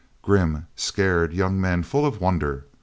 Grim, scared young men, full of wonder.